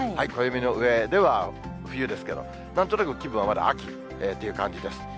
暦の上では冬ですけど、なんとなく、気分はまだ秋という感じです。